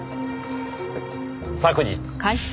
昨日。